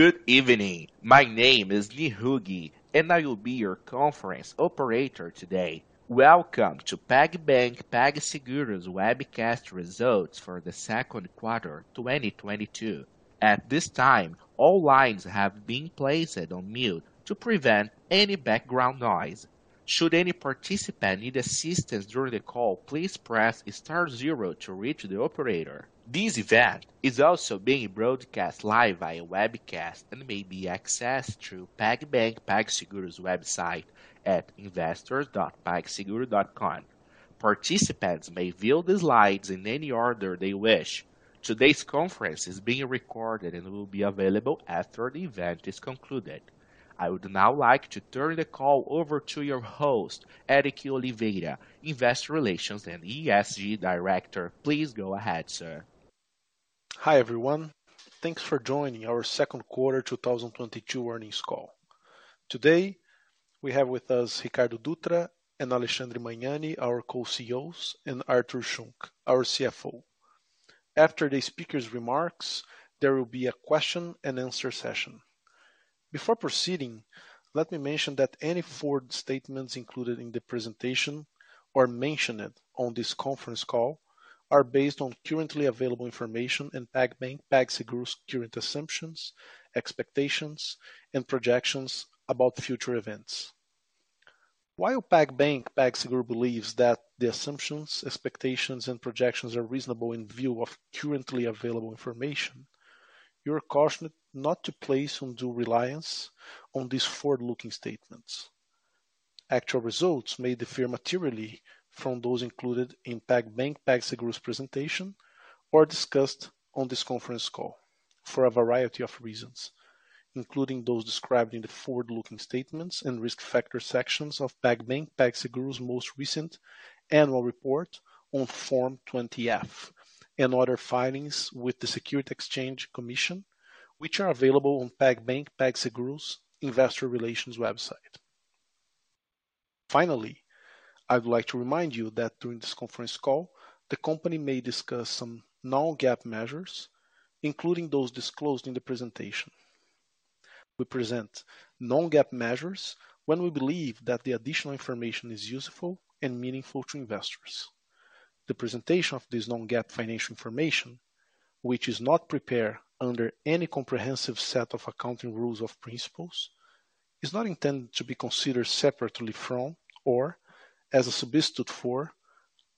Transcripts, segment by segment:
Good evening. My name is Lee Hughey, and I will be your conference operator today. Welcome to PagBank PagSeguro's webcast results for the second quarter 2022. At this time, all lines have been placed on mute to prevent any background noise. Should any participant need assistance during the call, please press star zero to reach the operator. This event is also being broadcast live via webcast and may be accessed through PagBank PagSeguro's website at investor.pagseguro.com. Participants may view the slides in any order they wish. Today's conference is being recorded and will be available after the event is concluded. I would now like to turn the call over to your host, Eric Oliveira, Investor Relations and ESG Director. Please go ahead, sir. Hi, everyone. Thanks for joining our second quarter 2022 earnings call. Today, we have with us Ricardo Dutra and Alexandre Magnani, our co-CEOs, and Artur Schunck, our CFO. After the speakers' remarks, there will be a question-and-answer session. Before proceeding, let me mention that any forward statements included in the presentation or mentioned on this conference call are based on currently available information in PagBank PagSeguro's current assumptions, expectations, and projections about future events. While PagBank PagSeguro believes that the assumptions, expectations, and projections are reasonable in view of currently available information, you are cautioned not to place undue reliance on these forward-looking statements. Actual results may differ materially from those included in PagBank PagSeguro's presentation or discussed on this conference call for a variety of reasons, including those described in the forward-looking statements and risk factor sections of PagBank PagSeguro's most recent annual report on Form 20-F and other filings with the Securities and Exchange Commission, which are available on PagBank PagSeguro's investor relations website. Finally, I would like to remind you that during this conference call, the company may discuss some non-GAAP measures, including those disclosed in the presentation. We present non-GAAP measures when we believe that the additional information is useful and meaningful to investors. The presentation of this non-GAAP financial information, which is not prepared under any comprehensive set of accounting rules or principles, is not intended to be considered separately from or as a substitute for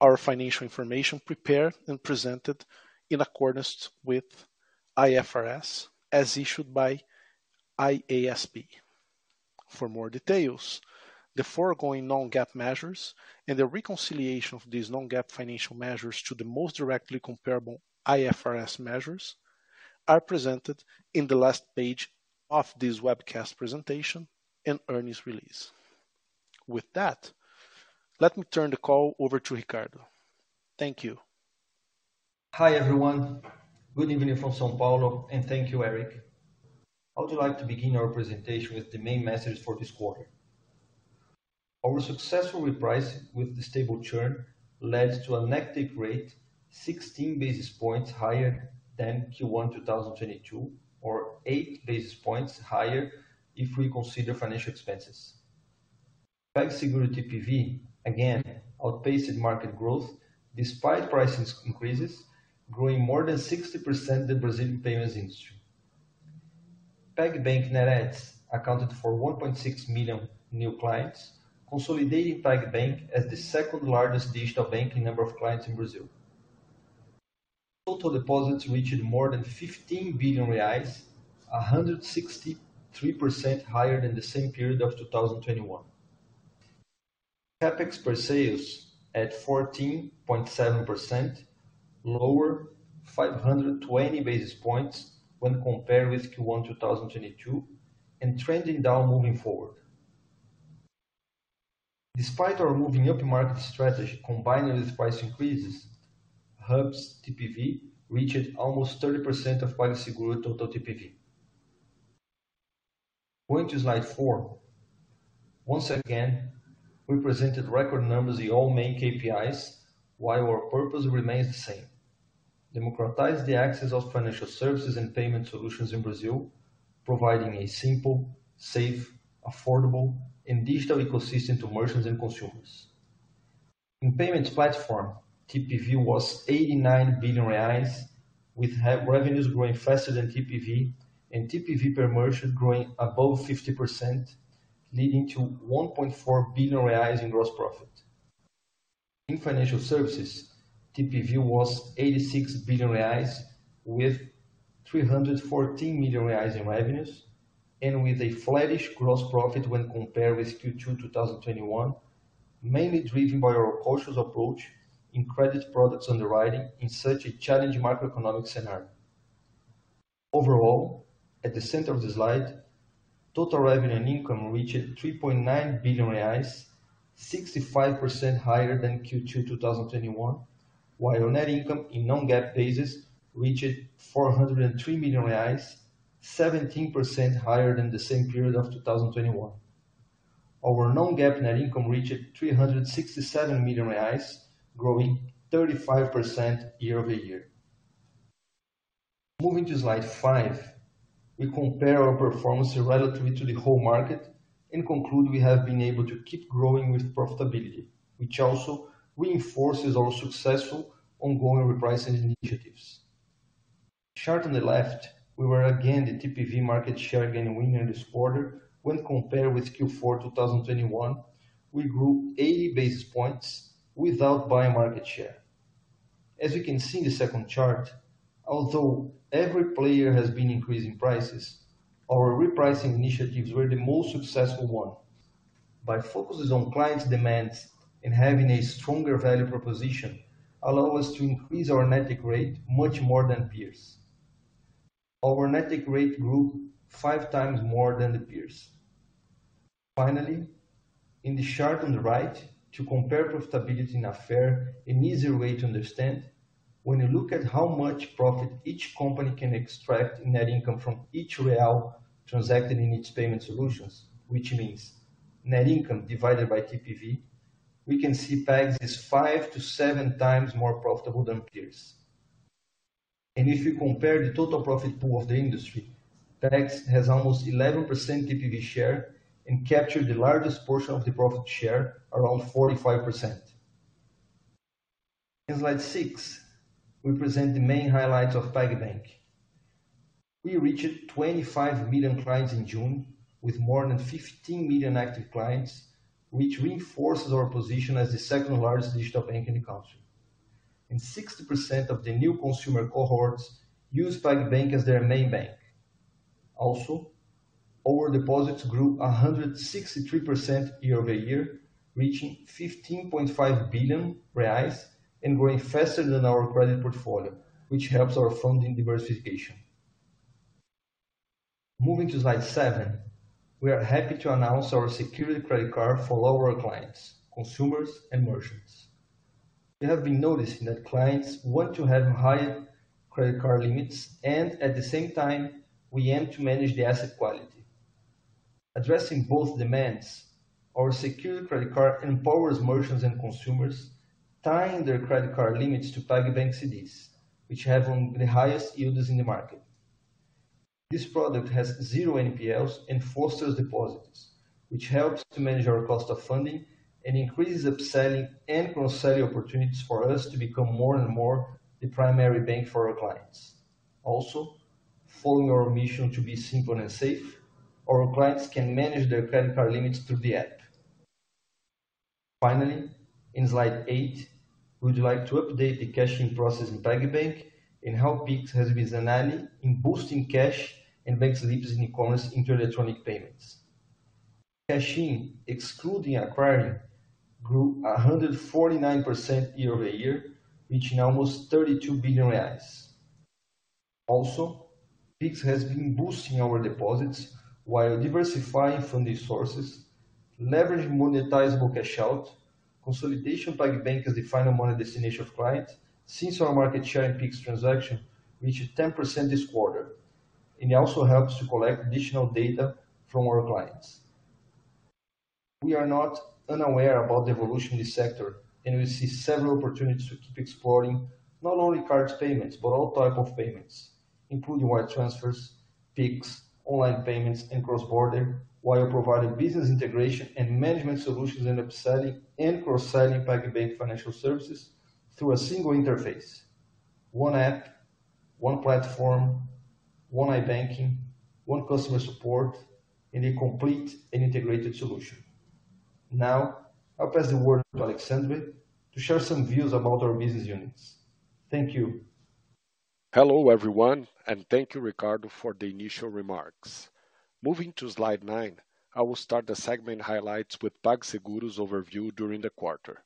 our financial information prepared and presented in accordance with IFRS as issued by IASB. For more details, the foregoing non-GAAP measures and the reconciliation of these non-GAAP financial measures to the most directly comparable IFRS measures are presented in the last page of this webcast presentation and earnings release. With that, let me turn the call over to Ricardo. Thank you. Hi, everyone. Good evening from São Paulo, and thank you, Eric. I would like to begin our presentation with the main messages for this quarter. Our successful reprice with the stable churn led to a net take rate 16 basis points higher than Q1 2022 or 8 basis points higher if we consider financial expenses. PagSeguro TPV again outpaced market growth despite pricing increases, growing more than 60% the Brazilian payments industry. PagBank net adds accounted for 1.6 million new clients, consolidating PagBank as the second-largest digital bank in number of clients in Brazil. Total deposits reached more than 15 billion reais, 163% higher than the same period of 2021. CapEx per sales at 14.7%, lower 520 basis points when compared with Q1 2022 and trending down moving forward. Despite our moving upmarket strategy combined with price increases, Hubs TPV reached almost 30% of PagSeguro total TPV. Going to slide four. Once again, we presented record numbers in all main KPIs while our purpose remains the same. Democratize the access of financial services and payment solutions in Brazil, providing a simple, safe, affordable, and digital ecosystem to merchants and consumers. In payments platform, TPV was 89 billion reais, with revenues growing faster than TPV and TPV per merchant growing above 50%, leading to 1.4 billion reais in gross profit. In financial services, TPV was 86 billion reais with 314 million reais in revenues and with a flattish gross profit when compared with Q2 2021, mainly driven by our cautious approach in credit products underwriting in such a challenging macroeconomic scenario. Overall, at the center of the slide, total revenue and income reached 3.9 billion reais, 65% higher than Q2 2021, while our net income on non-GAAP basis reached 403 million reais, 17% higher than the same period of 2021. Our non-GAAP net income reached 367 million reais, growing 35% year-over-year. Moving to slide five, we compare our performance relative to the whole market and conclude we have been able to keep growing with profitability, which also reinforces our successful ongoing repricing initiatives. Chart on the left, we were again the TPV market share gain winner this quarter when compared with Q4 2021. We grew 80 basis points without buying market share. As you can see in the second chart, although every player has been increasing prices, our repricing initiatives were the most successful one. By focusing on client demands and having a stronger value proposition allow us to increase our net take rate much more than peers. Our net take rate grew five times more than the peers. Finally, in the chart on the right to compare profitability in a fair and easier way to understand, when you look at how much profit each company can extract net income from each real transacted in each payment solutions, which means net income divided by TPV, we can see PAGS is five to seven times more profitable than peers. If you compare the total profit pool of the industry, PAGS has almost 11% TPV share and capture the largest portion of the profit share around 45%. In slide six, we present the main highlights of PagBank. We reached 25 million clients in June with more than 16 million active clients, which reinforces our position as the second-largest digital bank in the country. 60% of the new consumer cohorts use PagBank as their main bank. Also, our deposits grew 163% year-over-year, reaching 15.5 billion reais and growing faster than our credit portfolio, which helps our funding diversification. Moving to slide seven. We are happy to announce our secured credit card for all our clients, consumers and merchants. We have been noticing that clients want to have higher credit card limits, and at the same time, we aim to manage the asset quality. Addressing both demands, our secured credit card empowers merchants and consumers tying their credit card limits to PagBank CDBs, which have the highest yields in the market. This product has zero NPLs and fosters deposits, which helps to manage our cost of funding and increases upselling and cross-selling opportunities for us to become more and more the primary bank for our clients. Also, following our mission to be simple and safe, our clients can manage their credit card limits through the app. Finally, in slide eight, we would like to update the cash-in process in PagBank and how Pix has been an ally in boosting cash-in and bank slips in e-commerce into electronic payments. Cash-in, excluding acquiring, grew 149% year-over-year, reaching almost 32 billion reais. Pix has been boosting our deposits while diversifying funding sources, leveraging monetizable cash outflows, consolidating PagBank as the final money destination of clients since our market share in Pix transactions reached 10% this quarter, and it also helps to collect additional data from our clients. We are not unaware about the evolution of this sector, and we see several opportunities to keep exploring not only card payments, but all types of payments, including wire transfers, Pix, online payments, and cross-border, while providing business integration and management solutions and upselling and cross-selling PagBank financial services through a single interface. One app, one platform, one Internet Banking, one customer support, and a complete and integrated solution. Now, I'll pass the word to Alexandre to share some views about our business units. Thank you. Hello, everyone, and thank you, Ricardo for the initial remarks. Moving to slide nine, I will start the segment highlights with PagSeguro's overview during the quarter.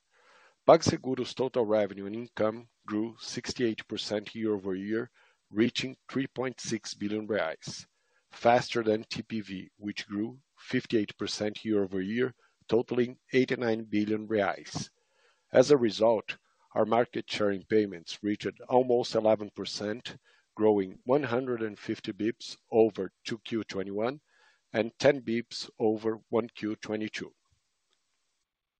PagSeguro's total revenue and income grew 68% year-over-year, reaching 3.6 billion reais, faster than TPV, which grew 58% year-over-year, totaling 89 billion reais. As a result, our market share in payments reached almost 11%, growing 150 bps over 2Q 2021 and 10 bps over 1Q 2022.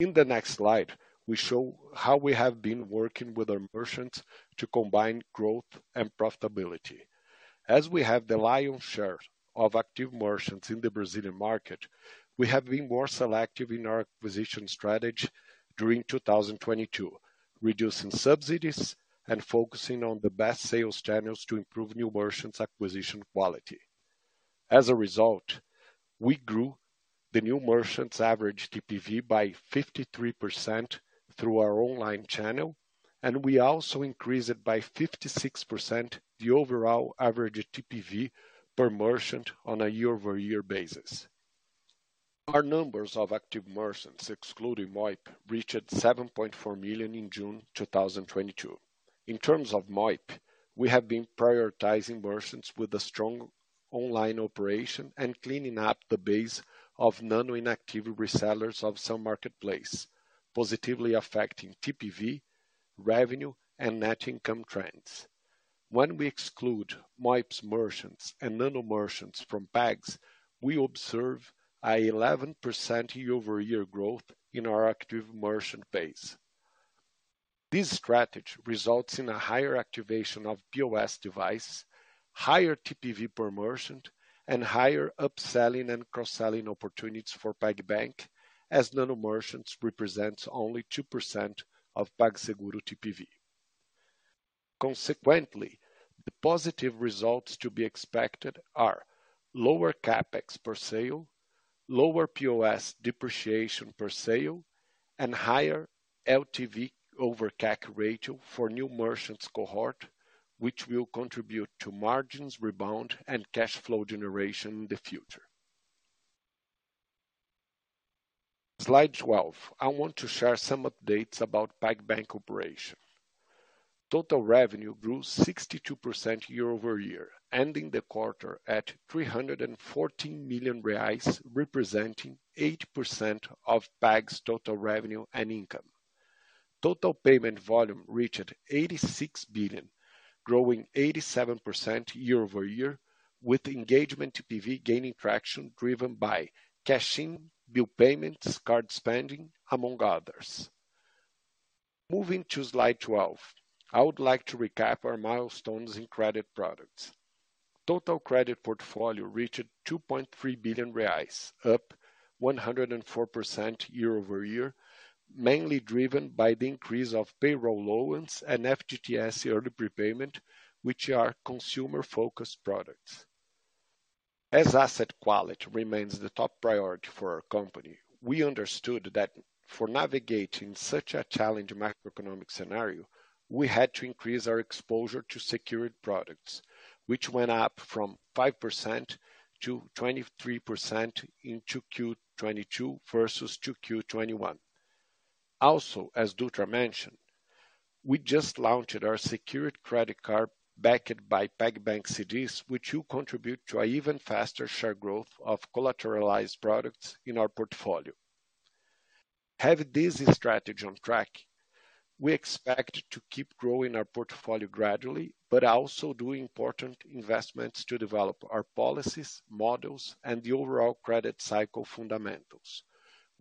In the next slide, we show how we have been working with our merchants to combine growth and profitability. As we have the lion's share of active merchants in the Brazilian market, we have been more selective in our acquisition strategy during 2022, reducing subsidies and focusing on the best sales channels to improve new merchants acquisition quality. As a result, we grew the new merchants average TPV by 53% through our online channel, and we also increased it by 56% the overall average TPV per merchant on a year-over-year basis. Our number of active merchants, excluding MoIP, reached 7.4 million in June 2022. In terms of MoIP, we have been prioritizing merchants with a strong online operation and cleaning up the base of non-active resellers of some marketplace, positively affecting TPV, revenue, and net income trends. When we exclude MoIP's merchants and nano merchants from PAGS, we observe an 11% year-over-year growth in our active merchant base. This strategy results in a higher activation of POS devices, higher TPV per merchant, and higher up-selling and cross-selling opportunities for PagBank, as nano merchants represents only 2% of PagSeguro TPV. Consequently, the positive results to be expected are lower CapEx per sale, lower POS depreciation per sale, and higher LTV over CAC ratio for new merchants cohort, which will contribute to margins rebound and cash flow generation in the future. Slide 12. I want to share some updates about PagBank operation. Total revenue grew 62% year-over-year, ending the quarter at 314 million reais, representing 80% of PAG's total revenue and income. Total payment volume reached 86 billion, growing 87% year-over-year, with engagement TPV gaining traction driven by cash-in, bill payments, card spending, among others. Moving to slide 12, I would like to recap our milestones in credit products. Total credit portfolio reached 2.3 billion reais, up 104% year-over-year, mainly driven by the increase of payroll loans and FGTS early prepayment, which are consumer-focused products. As asset quality remains the top priority for our company, we understood that for navigating such a challenging macroeconomic scenario, we had to increase our exposure to secured products, which went up from 5% to 23% in 2Q 2022 versus 2Q 2021. Also, as Dutra mentioned, we just launched our secured credit card backed by PagBank CDBs, which will contribute to an even faster share growth of collateralized products in our portfolio. Having this strategy on track, we expect to keep growing our portfolio gradually but also do important investments to develop our policies, models, and the overall credit cycle fundamentals.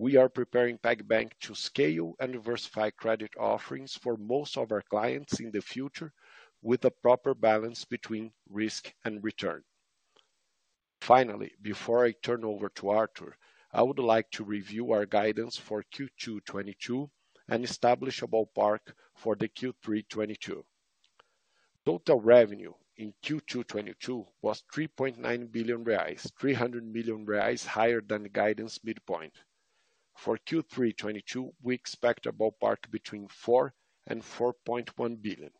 We are preparing PagBank to scale and diversify credit offerings for most of our clients in the future with a proper balance between risk and return. Finally, before I turn over to Artur, I would like to review our guidance for Q2 2022 and establish a ballpark for Q3 2022. Total revenue in Q2 2022 was 3.9 billion reais, 300 million reais higher than the guidance midpoint. For Q3 2022, we expect a ballpark between 4 billion and 4.1 billion.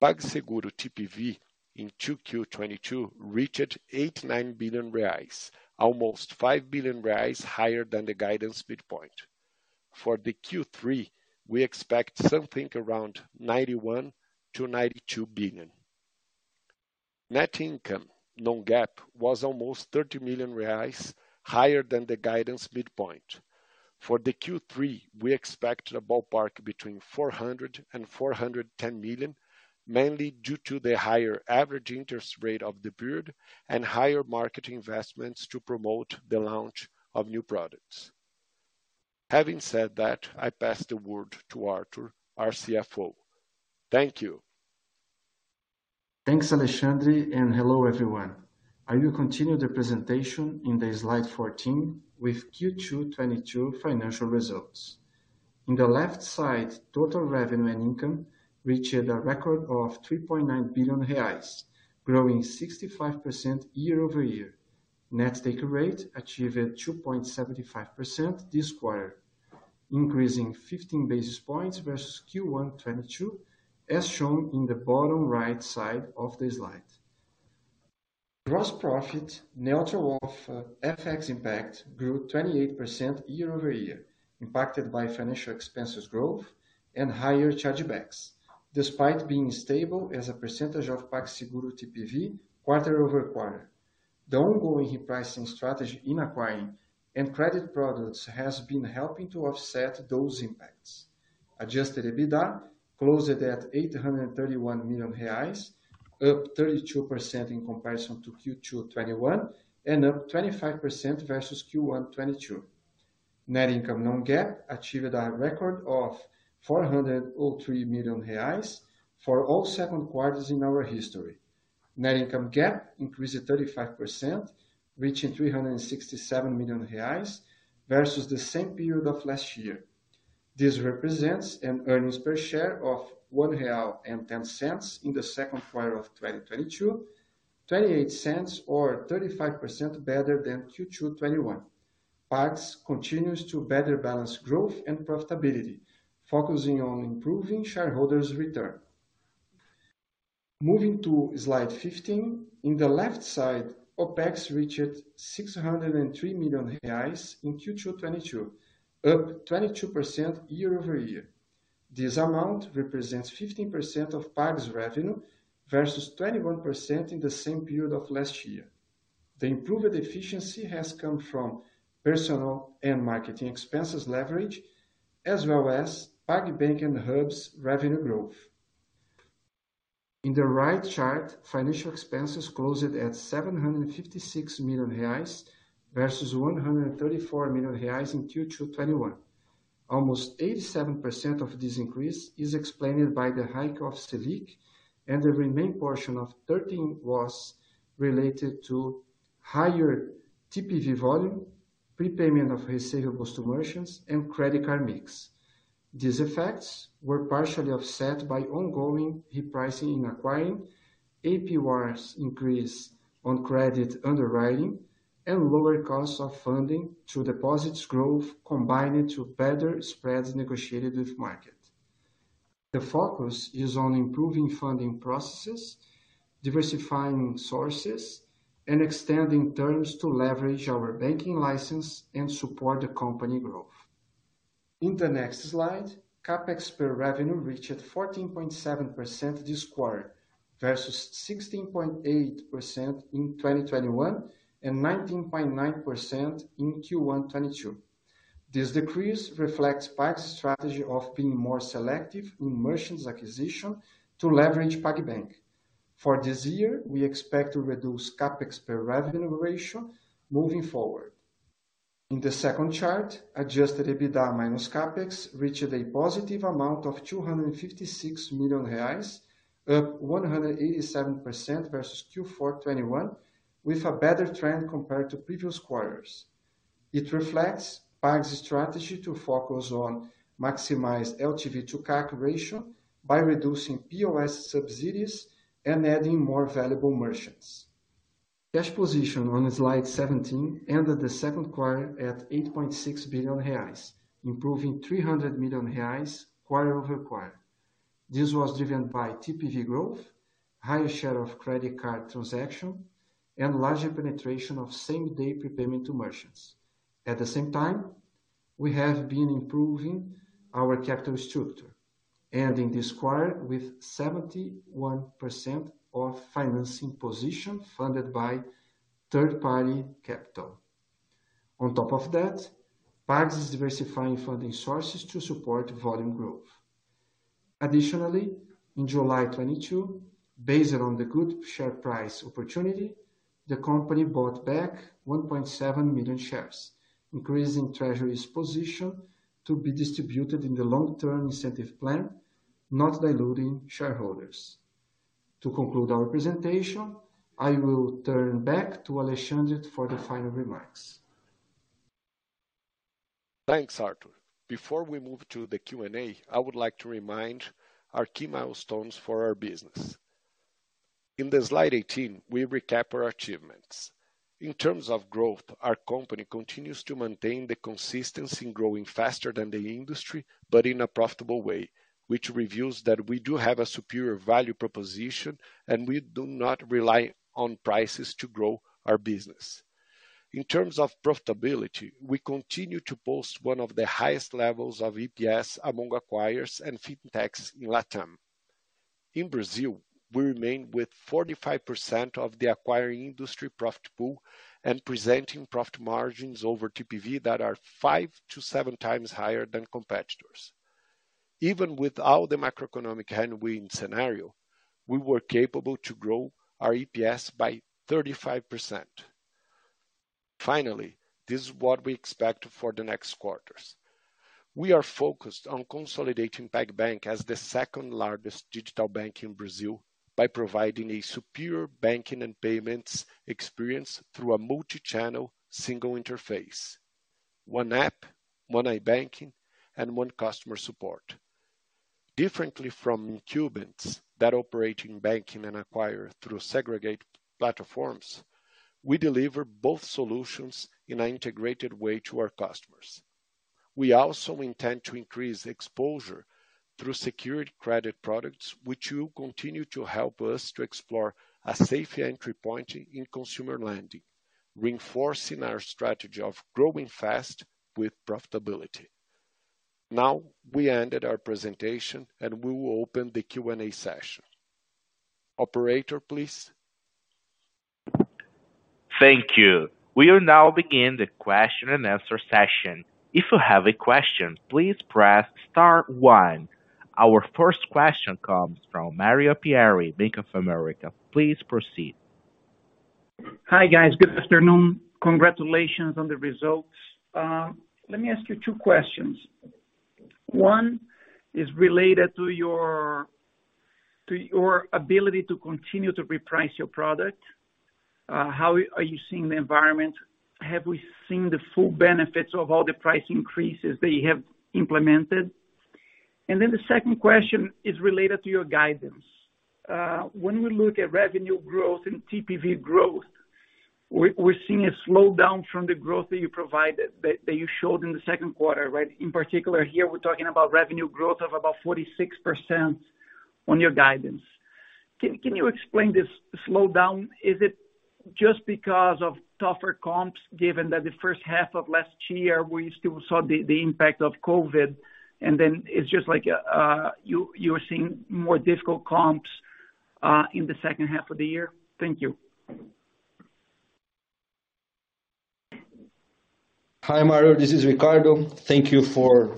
PagSeguro TPV in Q2 2022 reached BRL 89 billion, almost 5 billion reais higher than the guidance midpoint. For Q3, we expect something around BRL 91 billion-BRL 92 billion. Net income, non-GAAP, was almost BRL 30 million higher than the guidance midpoint. For Q3, we expect a ballpark between 400 million and 410 million, mainly due to the higher average interest rate of the period and higher market investments to promote the launch of new products. Having said that, I pass the word to Artur, our CFO. Thank you. Thanks, Alexandre, and hello everyone. I will continue the presentation in the slide 14 with Q2 2022 financial results. On the left side, total revenue and income reached a record of 3.9 billion reais, growing 65% year-over-year. Net take rate achieved 2.75% this quarter, increasing 15 basis points versus Q1 2022, as shown in the bottom right side of the slide. Gross profit, neutral of FX impact, grew 28% year-over-year, impacted by financial expenses growth and higher chargebacks. Despite being stable as a percentage of PagSeguro TPV quarter-over-quarter, the ongoing repricing strategy in acquiring and credit products has been helping to offset those impacts. Adjusted EBITDA closed at 831 million reais, up 32% in comparison to Q2 2021 and up 25% versus Q1 2022. Net income non-GAAP achieved a record of 403 million reais for all seven quarters in our history. Net income GAAP increased 35%, reaching 367 million reais versus the same period of last year. This represents an earnings per share of 1.10 real in the second quarter of 2022, 0.28 or 35% better than Q2 2021. PAGS continues to better balance growth and profitability, focusing on improving shareholders' return. Moving to slide 15. On the left side, OpEx reached 603 million reais in Q2 2022, up 22% year-over-year. This amount represents 15% of PAG's revenue versus 21% in the same period of last year. The improved efficiency has come from personnel and marketing expenses leverage, as well as PagBank and hubs' revenue growth. In the right chart, financial expenses closed at 756 million reais versus 134 million reais in Q2 2021. Almost 87% of this increase is explained by the hike of Selic, and the remaining portion of 13% was related to higher TPV volume, prepayment of receivables to merchants, and credit card mix. These effects were partially offset by ongoing repricing in acquiring, APRs increase on credit underwriting, and lower cost of funding through deposits growth combined to better spreads negotiated with market. The focus is on improving funding processes, diversifying sources, and extending terms to leverage our banking license and support the company growth. In the next slide, CapEx per revenue reached 14.7% this quarter versus 16.8% in 2021, and 19.9% in Q1 2022. This decrease reflects Pag's strategy of being more selective in merchants acquisition to leverage PagBank. For this year, we expect to reduce CapEx per revenue ratio moving forward. In the second chart, adjusted EBITDA minus CapEx reached a positive amount of 256 million reais, up 187% versus Q4 2021, with a better trend compared to previous quarters. It reflects Pag's strategy to focus on maximize LTV:CAC ratio by reducing POS subsidies and adding more valuable merchants. Cash position on slide 17 ended the second quarter at 8.6 billion reais, improving 300 million reais quarter-over-quarter. This was driven by TPV growth, higher share of credit card transaction, and larger penetration of same-day prepayment to merchants. At the same time, we have been improving our capital structure, ending this quarter with 71% of financing position funded by third-party capital. On top of that, PAGS is diversifying funding sources to support volume growth. Additionally, in July 2022, based around the good share price opportunity, the company bought back 1.7 million shares, increasing treasury's position to be distributed in the long-term incentive plan, not diluting shareholders. To conclude our presentation, I will turn back to Alexandre for the final remarks. Thanks, Artur. Before we move to the Q&A, I would like to remind our key milestones for our business. In the slide 18, we recap our achievements. In terms of growth, our company continues to maintain the consistency in growing faster than the industry but in a profitable way, which reveals that we do have a superior value proposition, and we do not rely on prices to grow our business. In terms of profitability, we continue to post one of the highest levels of EPS among acquirers and fintechs in LatAm. In Brazil, we remain with 45% of the acquiring industry profit pool and presenting profit margins over TPV that are five to seven times higher than competitors. Even with all the macroeconomic headwind scenario, we were capable to grow our EPS by 35%. Finally, this is what we expect for the next quarters. We are focused on consolidating PagBank as the second-largest digital bank in Brazil by providing a superior banking and payments experience through a multichannel single interface. One app, one iBanking, and one customer support. Differently from incumbents that operate in banking and acquiring through segregated platforms, we deliver both solutions in an integrated way to our customers. We also intend to increase exposure through secured credit products, which will continue to help us to explore a safe entry point in consumer lending, reinforcing our strategy of growing fast with profitability. Now we ended our presentation, and we will open the Q&A session. Operator, please. Thank you. We will now begin the question and answer session. If you have a question, please press star one. Our first question comes from Mario Pierry, Bank of America. Please proceed. Hi, guys. Good afternoon. Congratulations on the results. Let me ask you two questions. One is related to your ability to continue to reprice your product. How are you seeing the environment? Have we seen the full benefits of all the price increases that you have implemented? The second question is related to your guidance. When we look at revenue growth and TPV growth, we're seeing a slowdown from the growth that you showed in the second quarter, right? In particular here, we're talking about revenue growth of about 46% on your guidance. Can you explain this slowdown? Is it just because of tougher comps given that the first half of last year we still saw the impact of COVID, and then it's just like, you're seeing more difficult comps in the second half of the year? Thank you. Hi Mario, this is Ricardo. Thank you for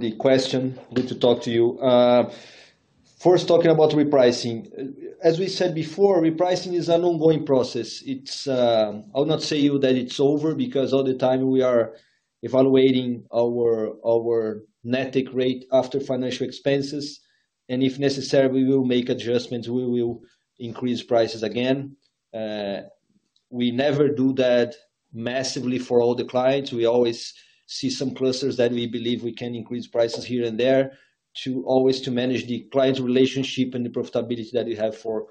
the question. Good to talk to you. First talking about repricing. As we said before, repricing is an ongoing process. I will not say to you that it's over because all the time we are evaluating our net take rate after financial expenses, and if necessary, we will make adjustments. We will increase prices again. We never do that massively for all the clients. We always see some clusters that we believe we can increase prices here and there to manage the client relationship and the profitability that we have for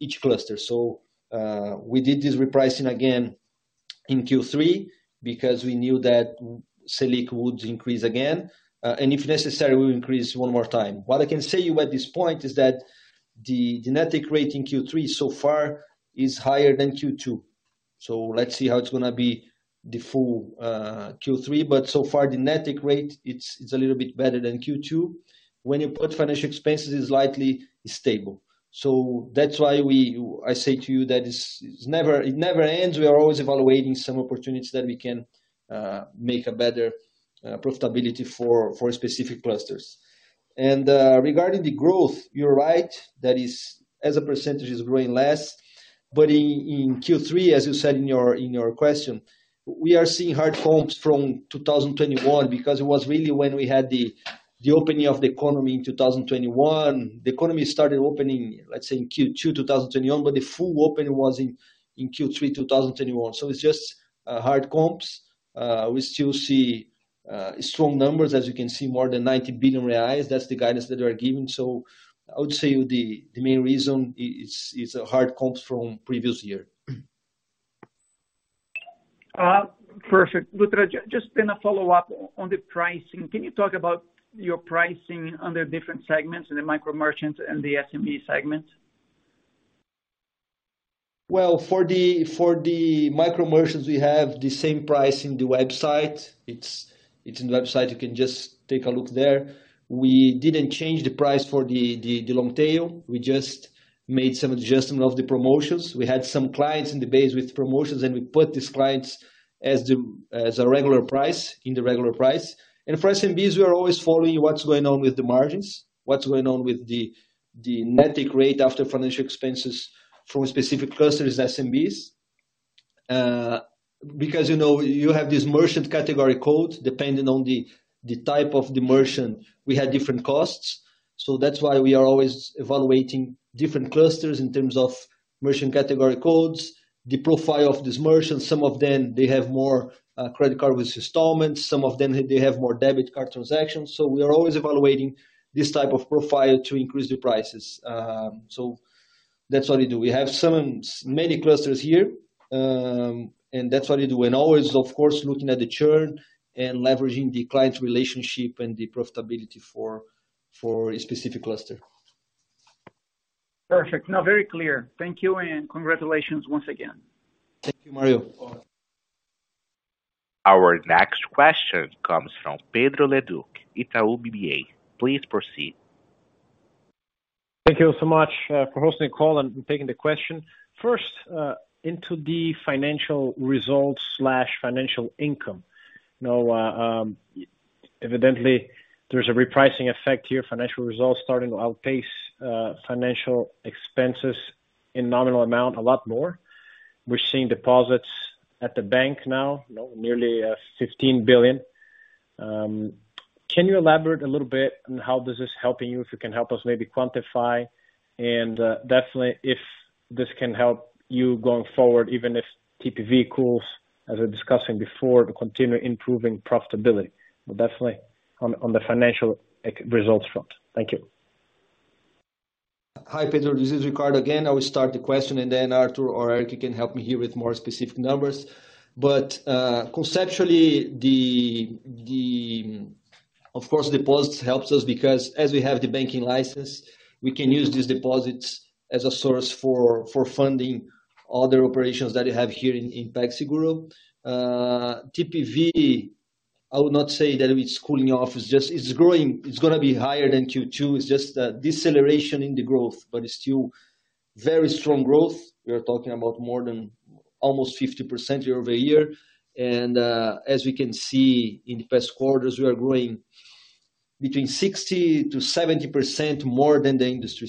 each cluster. We did this repricing again in Q3 because we knew that SELIC would increase again, and if necessary, we'll increase one more time. What I can say to you at this point is that the net take rate in Q3 so far is higher than Q2. Let's see how it's gonna be the full Q3. So far, the net take rate, it's a little bit better than Q2. When you put financial expenses, it's slightly stable. That's why I say to you that it never ends. We are always evaluating some opportunities that we can make a better profitability for specific clusters. Regarding the growth, you're right. That is, as a percentage is growing less. In Q3, as you said in your question, we are seeing hard comps from 2021, because it was really when we had the opening of the economy in 2021. The economy started opening, let's say in Q2 2021, but the full opening was in Q3 2021. It's just hard comps. We still see strong numbers, as you can see more than 90 billion reais. That's the guidance that we are giving. I would say the main reason is hard comps from previous year. Perfect. Ricardo, just in a follow-up on the pricing. Can you talk about your pricing under different segments in the micro merchants and the SME segment? Well, for the micro merchants, we have the same price in the website. It's in the website. You can just take a look there. We didn't change the price for the long tail. We just made some adjustment of the promotions. We had some clients in the base with promotions, and we put these clients as a regular price, in the regular price. For SMBs, we are always following what's going on with the margins, what's going on with the net take rate after financial expenses from specific clusters SMBs. Because you know, you have this merchant category code, depending on the type of the merchant, we have different costs. That's why we are always evaluating different clusters in terms of merchant category codes, the profile of this merchant. Some of them, they have more credit card with installments, some of them they have more debit card transactions. We are always evaluating this type of profile to increase the prices. That's what we do. We have many clusters here, and that's what we do. Always of course, looking at the churn and leveraging the client's relationship and the profitability for a specific cluster. Perfect. No, very clear. Thank you and congratulations once again. Thank you, Mario. Our next question comes from Pedro Leduc, Itaú BBA. Please proceed. Thank you so much for hosting the call and taking the question. First, into the financial results, financial income. You know, evidently there's a repricing effect here, financial results starting to outpace financial expenses in nominal amount a lot more. We're seeing deposits at the bank now, you know, nearly 15 billion. Can you elaborate a little bit on how this is helping you? If you can help us maybe quantify and definitely if this can help you going forward, even if TPV cools, as we're discussing before, to continue improving profitability. Definitely on the financial results front. Thank you. Hi, Pedro. This is Ricardo again. I will start the question and then Arthur or Eric can help me here with more specific numbers. Conceptually, deposits helps us because as we have the banking license, we can use these deposits as a source for funding other operations that we have here in PagSeguro. TPV, I would not say that it's cooling off. It's growing. It's gonna be higher than Q2. It's just a deceleration in the growth, but it's still very strong growth. We are talking about more than almost 50% year-over-year. As we can see in the past quarters, we are growing between 60%-70% more than the industry.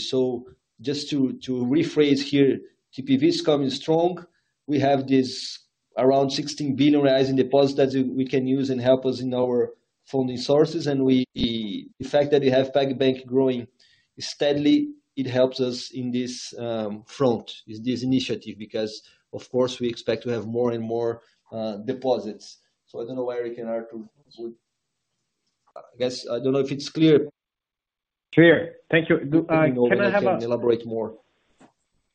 Just to rephrase here, TPV is coming strong. We have this around 16 billion reais rise in deposit that we can use and help us in our funding sources. The fact that we have PagBank growing steadily, it helps us in this front, this initiative. Because of course, we expect to have more and more, deposits. I don't know why Eric and Artur would. I guess, I don't know if it's clear. Clear. Thank you. Elaborate more.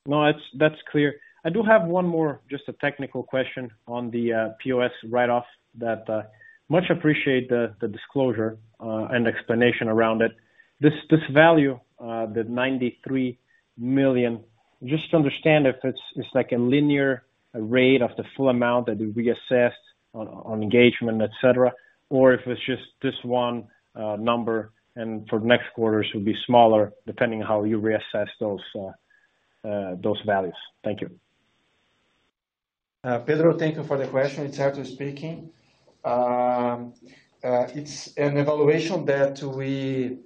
No, that's clear. I do have one more just a technical question on the POS write-off that I much appreciate the disclosure and explanation around it. This value, the 93 million, just to understand if it's like a linear rate of the full amount that you reassessed on engagement, et cetera, or if it's just this one number and for next quarters will be smaller depending how you reassess those values. Pedro, thank you for the question. It's Artur speaking. It's an evaluation that we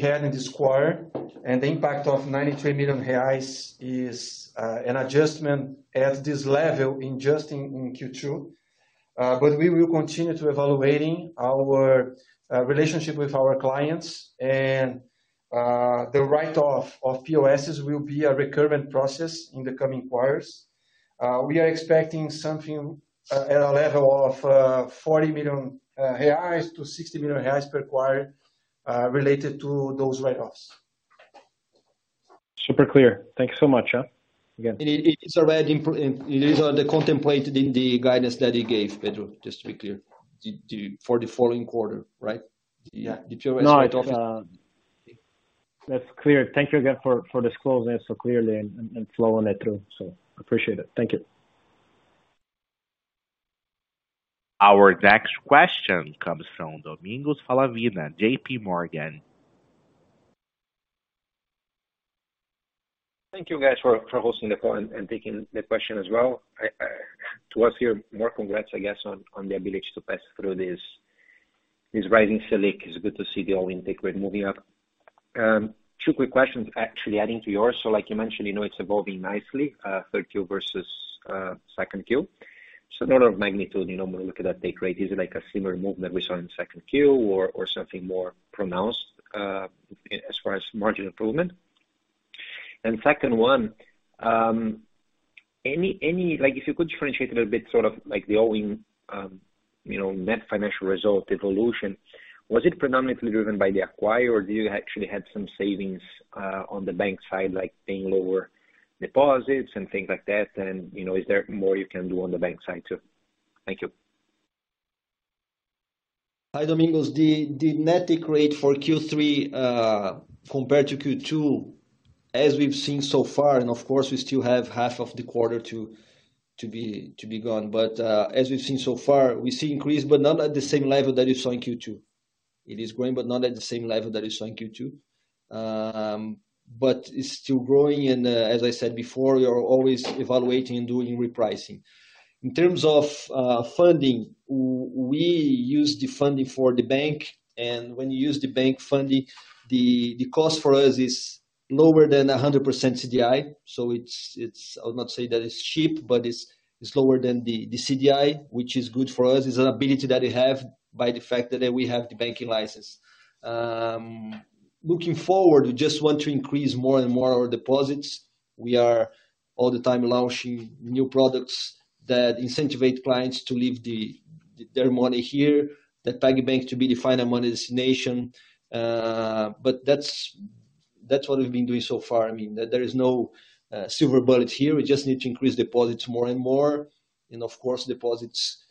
had in this quarter, and the impact of 93 million reais is an adjustment at this level in Q2. But we will continue to evaluating our relationship with our clients, and the write-off of POSs will be a recurrent process in the coming quarters. We are expecting something at a level of 40 million-60 million reais per quarter related to those write-offs. Super clear. Thank you so much, again. It's already contemplated in the guidance that he gave, Pedro, just to be clear. For the following quarter, right? Yeah. The POS write-off. No, it. That's clear. Thank you again for disclosing it so clearly and flowing it through. Appreciate it. Thank you. Our next question comes from Domingos Falavina, JP Morgan. Thank you guys for hosting the call and taking the question as well. To us here, more congrats, I guess, on the ability to pass through this rising SELIC. It's good to see the all-in take rate moving up. Two quick questions actually adding to yours. Like you mentioned, you know, it's evolving nicely, third Q versus second Q. In order of magnitude, you know, when we look at that take rate, is it like a similar movement we saw in second Q or something more pronounced as far as margin improvement? Second one, like if you could differentiate a little bit sort of like the ongoing, you know, net financial result evolution. Was it predominantly driven by the acquiring, or did you actually have some savings on the bank side, like paying lower deposits and things like that? You know, is there more you can do on the bank side, too? Thank you. Hi, Domingos. The net take rate for Q3 compared to Q2, as we've seen so far, and of course we still have half of the quarter to be gone. As we've seen so far, we see increase, but not at the same level that you saw in Q2. It is growing, but not at the same level that you saw in Q2. It's still growing and, as I said before, we are always evaluating and doing repricing. In terms of funding, we use the funding for the bank, and when you use the bank funding, the cost for us is lower than 100% CDI. I would not say that it's cheap, but it's lower than the CDI, which is good for us. It's an ability that we have by the fact that we have the banking license. Looking forward, we just want to increase more and more our deposits. We are all the time launching new products that incentivize clients to leave their money here, that PagBank to be the final money destination. That's what we've been doing so far. I mean, there is no silver bullet here. We just need to increase deposits more and more. Of course, deposits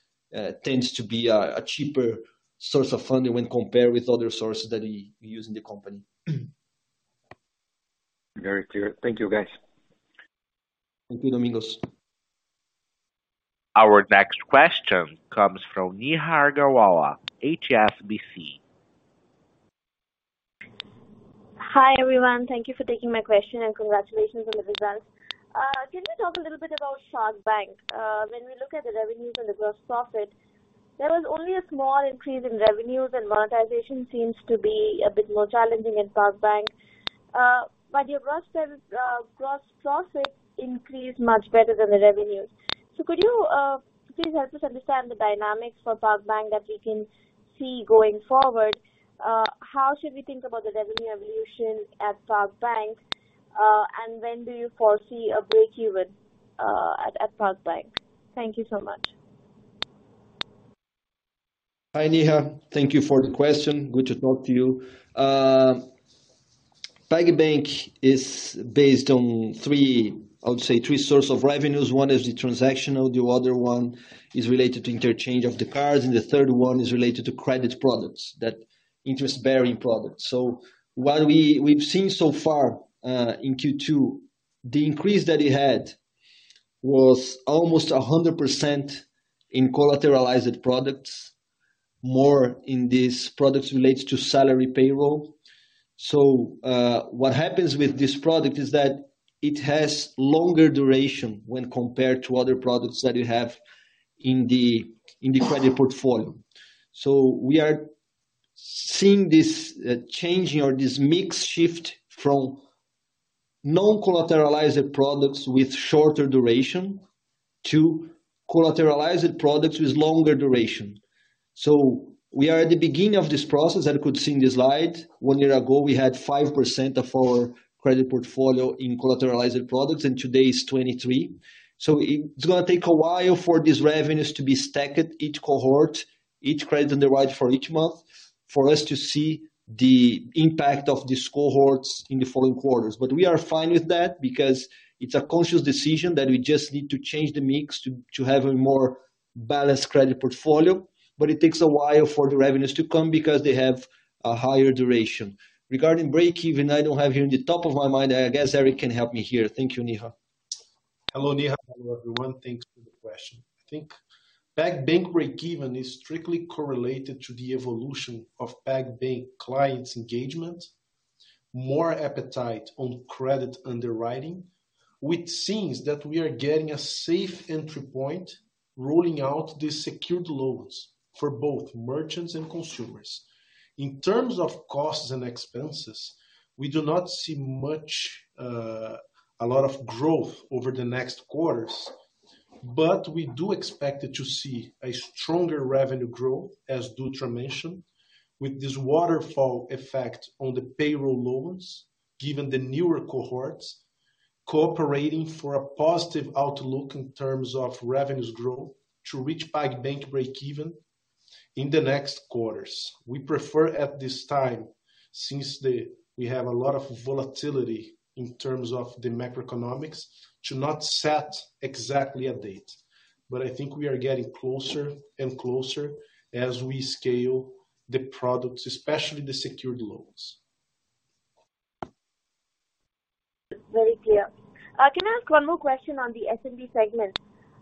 tends to be a cheaper source of funding when compared with other sources that we use in the company. Very clear. Thank you, guys. Thank you, Domingos. Our next question comes from Neha Agarwala, HSBC. Hi, everyone. Thank you for taking my question and congratulations on the results. Can you talk a little bit about PagBank? When we look at the revenues and the gross profit, there was only a small increase in revenues, and monetization seems to be a bit more challenging in PagBank. Your gross profit increased much better than the revenues. Could you please help us understand the dynamics for PagBank that we can see going forward? How should we think about the revenue evolution at PagBank? When do you foresee a breakeven at PagBank? Thank you so much. Hi, Neha. Thank you for the question. Good to talk to you. PagBank is based on three, I would say three source of revenues. One is the transactional, the other one is related to interchange of the cards, and the third one is related to credit products, that interest-bearing products. What we've seen so far in Q2, the increase that it had was almost 100% in collateralized products, more in these products related to salary payroll. What happens with this product is that it has longer duration when compared to other products that you have in the credit portfolio. We are seeing this changing or this mix shift from non-collateralized products with shorter duration to collateralized products with longer duration. We are at the beginning of this process, as you could see in the slide. One year ago, we had 5% of our credit portfolio in collateralized products, and today it's 23%. It's gonna take a while for these revenues to be stacked, each cohort, each credit underwrite for each month, for us to see the impact of these cohorts in the following quarters. We are fine with that because it's a conscious decision that we just need to change the mix to have a more balanced credit portfolio. It takes a while for the revenues to come because they have a higher duration. Regarding breakeven, I don't have here in the top of my mind. I guess Eric can help me here. Thank you, Neha. Hello, Neha. Hello everyone. Thanks for the question. I think PagBank break-even is strictly correlated to the evolution of PagBank clients engagement, more appetite on credit underwriting. Which seems that we are getting a safe entry point rolling out the secured loans for both merchants and consumers. In terms of costs and expenses, we do not see much, a lot of growth over the next quarters. We do expect to see a stronger revenue growth, as Dutra mentioned, with this waterfall effect on the payroll loans, given the newer cohorts cooperating for a positive outlook in terms of revenues growth to reach PagBank break-even in the next quarters. We prefer at this time, since we have a lot of volatility in terms of the macroeconomics, to not set exactly a date. I think we are getting closer and closer as we scale the products, especially the secured loans. Very clear. Can I ask one more question on the SMB segment?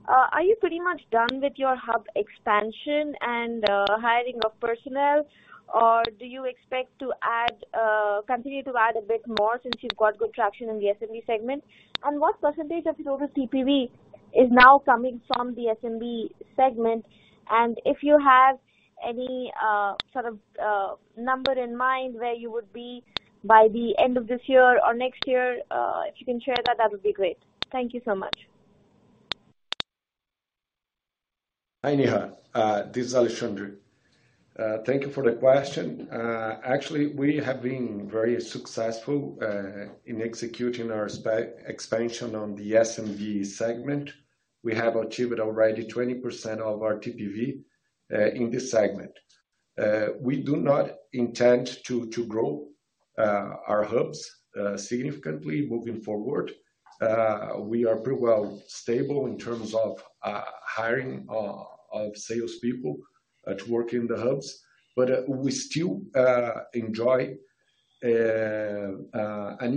Are you pretty much done with your hub expansion and hiring of personnel? Or do you expect to add, continue to add a bit more since you've got good traction in the SMB segment? What percentage of your total TPV is now coming from the SMB segment? If you have any, sort of, number in mind where you would be by the end of this year or next year, if you can share that would be great. Thank you so much. Hi, Neha. This is Alexandre. Thank you for the question. Actually, we have been very successful in executing our expansion on the SMB segment. We have achieved already 20% of our TPV in this segment. We do not intend to grow our hubs significantly moving forward. We are pretty well stable in terms of hiring of salespeople to work in the hubs. We still enjoy an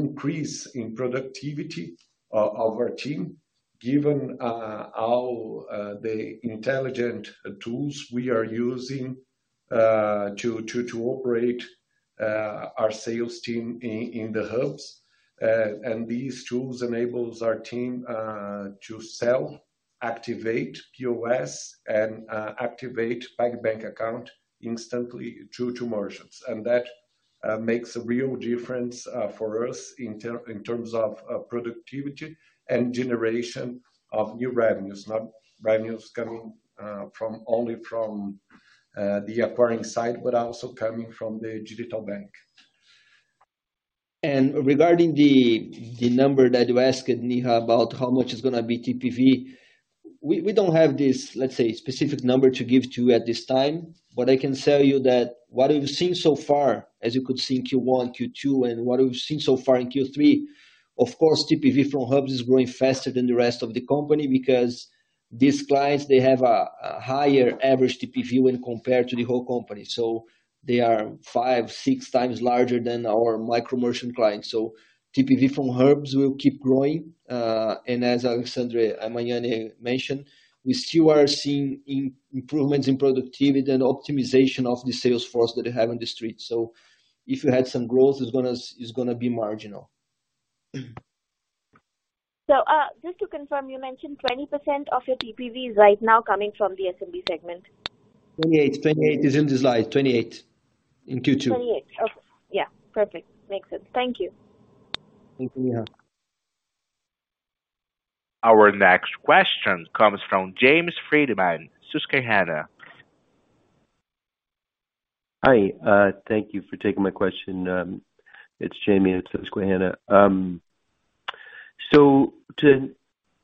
increase in productivity of our team, given all the intelligent tools we are using to operate our sales team in the hubs. These tools enables our team to sell, activate POS and activate PagBank account instantly to merchants. That makes a real difference for us in terms of productivity and generation of new revenues, not revenues coming from only the acquiring side, but also coming from the digital bank. Regarding the number that you asked, Neha, about how much is gonna be TPV. We don't have this, let's say, specific number to give to you at this time. I can tell you that what we've seen so far, as you could see in Q1, Q2, and what we've seen so far in Q3, of course, TPV from hubs is growing faster than the rest of the company because these clients, they have a higher average TPV when compared to the whole company. They are five, six times larger than our micro merchant clients. TPV from hubs will keep growing. As Alexandre Magnani mentioned, we still are seeing improvements in productivity and optimization of the sales force that they have on the street. If you had some growth, it's gonna be marginal. Just to confirm, you mentioned 20% of your TPV is right now coming from the SMB segment. 28 is in the slide. 28 in Q2. 28. Okay, yeah, perfect. Makes sense. Thank you. Thank you, Neha. Our next question comes from James Friedman, Susquehanna. Hi, thank you for taking my question. It's James at Susquehanna. To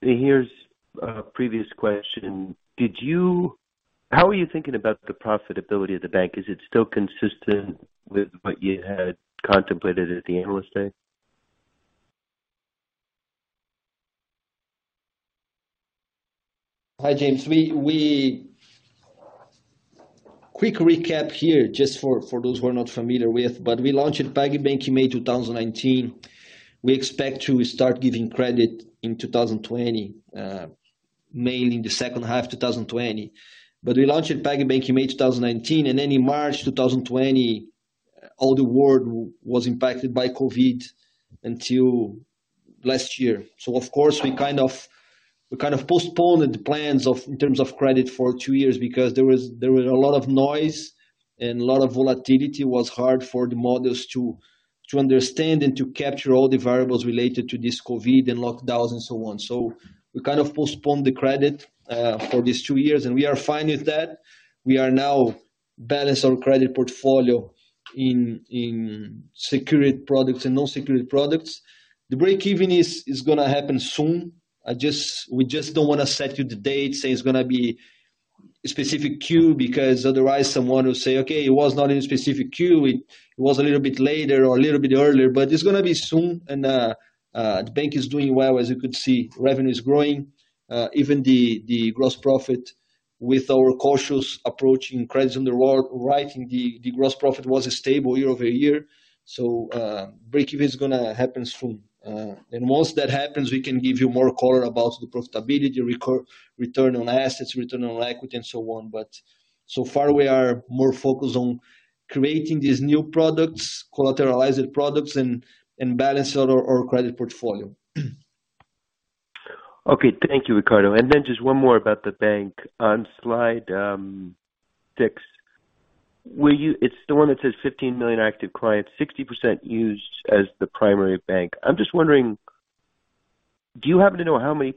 Neha's previous question, how are you thinking about the profitability of the bank? Is it still consistent with what you had contemplated at the analyst day? Hi, James. Quick recap here just for those who are not familiar with, but we launched PagBank in May 2019. We expect to start giving credit in 2020, mainly in the second half 2020. We launched PagBank in May 2019, and then in March 2020, all the world was impacted by COVID until last year. Of course, we kind of postponed the plans in terms of credit for two years because there was a lot of noise and a lot of volatility. It was hard for the models to understand and to capture all the variables related to this COVID and lockdowns and so on. We kind of postponed the credit for these two years, and we are fine with that. We are now balanced on credit portfolio in secured products and non-secured products. The breakeven is gonna happen soon. We just don't wanna set a date, say it's gonna be a specific Q because otherwise someone will say, "Okay, it was not in a specific Q. It was a little bit later or a little bit earlier." It's gonna be soon. The bank is doing well. As you could see, revenue is growing. Even with our cautious approach in credits on the whole, right, the gross profit was stable year-over-year. Breakeven is gonna happen soon. Once that happens, we can give you more color about the profitability, return on assets, return on equity, and so on. So far, we are more focused on creating these new products, collateralizing products, and balance out our credit portfolio. Okay. Thank you, Ricardo. Just one more about the bank. On slide six, it's the one that says 15 million active clients, 60% used as the primary bank. I'm just wondering, do you happen to know how many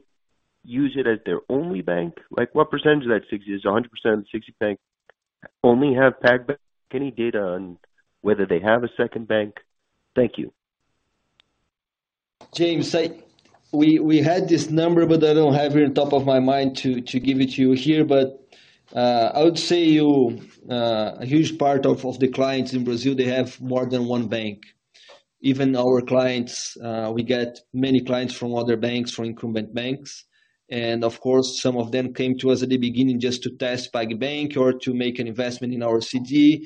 use it as their only bank? Like, what percentage of that 60? Is it 100% of the 60 bank only have PagBank? Any data on whether they have a second bank? Thank you. James, we had this number, but I don't have it on top of my mind to give it to you here. I would say a huge part of the clients in Brazil, they have more than one bank. Even our clients, we get many clients from other banks, from incumbent banks. Of course, some of them came to us at the beginning just to test PagBank or to make an investment in our CDB.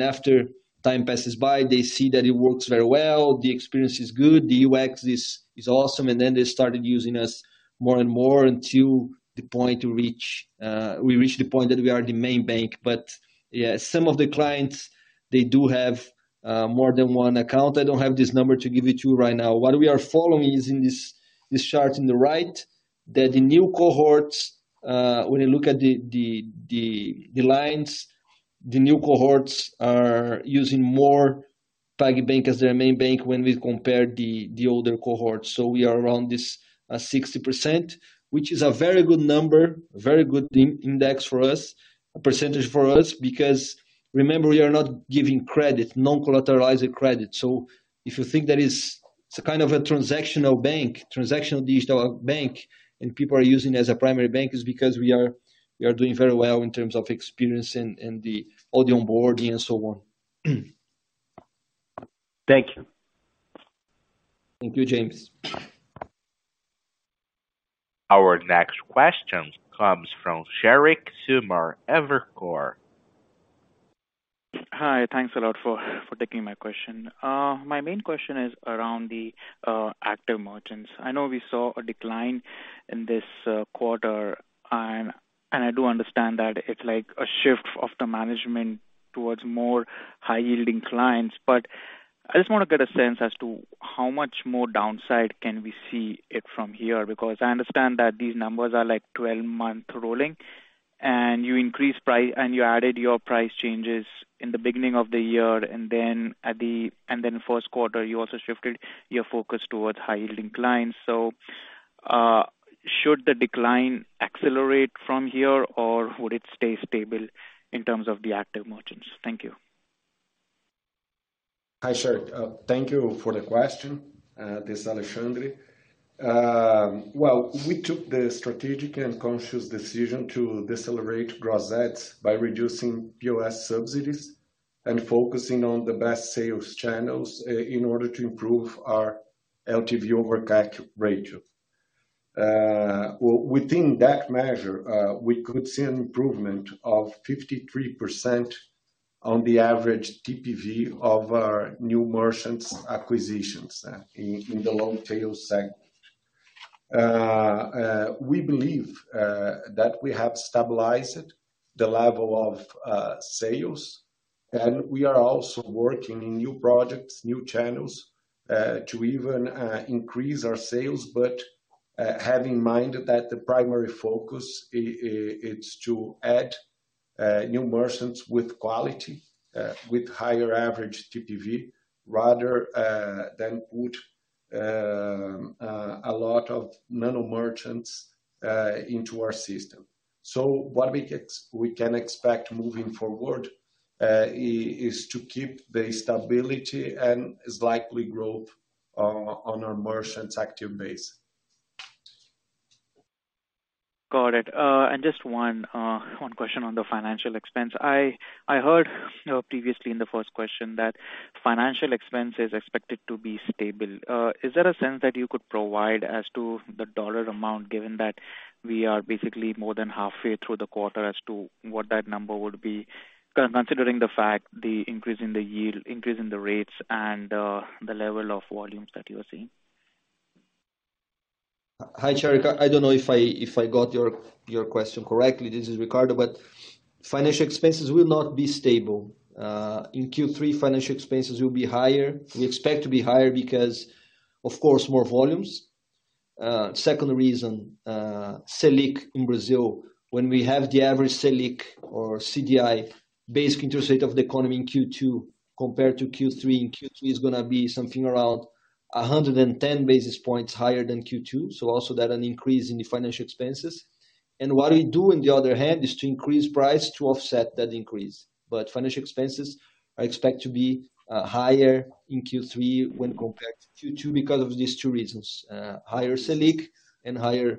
After time passes by, they see that it works very well, the experience is good, the UX is awesome. Then they started using us more and more until we reach the point that we are the main bank. But yeah, some of the clients, they do have more than one account. I don't have this number to give it to you right now. What we are following is in this chart on the right. That the new cohorts, when you look at the lines, the new cohorts are using more PagBank as their main bank when we compare the older cohorts. We are around this 60%, which is a very good number, a very good index for us, a percentage for us, because remember, we are not giving credit, non-collateralized credit. If you think that is. It's a kind of a transactional bank, transactional digital bank, and people are using it as a primary bank is because we are doing very well in terms of experience and all the onboarding and so on. Thank you. Thank you, James. Our next question comes from Sheriq Sumar, Evercore. Hi. Thanks a lot for taking my question. My main question is around the active merchants. I know we saw a decline in this quarter. I do understand that it's like a shift of the management towards more high-yielding clients. But I just wanna get a sense as to how much more downside can we see in it from here. Because I understand that these numbers are like 12-month rolling, and you increased prices and you added your price changes in the beginning of the year. Then first quarter, you also shifted your focus towards high-yielding clients. Should the decline accelerate from here, or would it stay stable in terms of the active merchants? Thank you. Hi, Sheriq. Thank you for the question. This is Alexandre. Well, we took the strategic and conscious decision to decelerate gross adds by reducing POS subsidies and focusing on the best sales channels in order to improve our LTV over CAC ratio. Well, within that measure, we could see an improvement of 53% on the average TPV of our new merchants acquisitions, in the long tail segment. We believe that we have stabilized the level of sales. We are also working in new projects, new channels, to even increase our sales. Have in mind that the primary focus is to add new merchants with quality, with higher average TPV rather than put a lot of nano merchants into our system. What we can expect moving forward is to keep the stability and slight growth on our merchants' active base. Got it. Just one question on the financial expense. I heard previously in the first question that financial expense is expected to be stable. Is there a sense that you could provide as to the dollar amount, given that we are basically more than halfway through the quarter as to what that number would be? Considering the fact the increase in the yield, increase in the rates and the level of volumes that you are seeing. Hi, Sheriq. I don't know if I got your question correctly. This is Ricardo. Financial expenses will not be stable. In Q3, financial expenses will be higher. We expect to be higher because, of course, more volumes. Second reason, SELIC in Brazil. When we have the average SELIC or CDI basic interest rate of the economy in Q2 compared to Q3. In Q3, it's gonna be something around 110 basis points higher than Q2. So also that an increase in the financial expenses. What we do, on the other hand, is to increase price to offset that increase. Financial expenses are expect to be higher in Q3 when compared to Q2 because of these two reasons, higher SELIC and higher